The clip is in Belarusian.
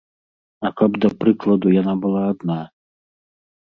А каб, да прыкладу, яна была адна?